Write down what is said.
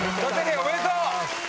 おめでとう！